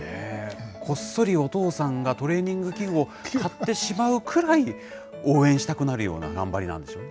こっそりお父さんがトレーニング器具を買ってしまうくらい、応援したくなるような頑張りなんでしょうね。